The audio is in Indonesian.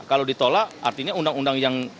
kalau ditolak artinya undang undang yang